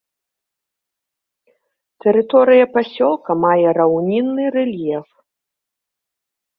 Тэрыторыя пасёлка мае раўнінны рэльеф.